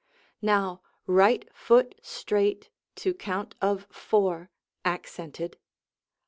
Now right foot straight, to count of "four" accented.